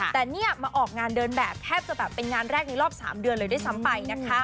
แต่เนี่ยมาออกงานเดินแบบแทบจะแบบเป็นงานแรกในรอบ๓เดือนเลยด้วยซ้ำไปนะคะ